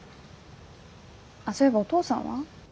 そういえばお父さんは？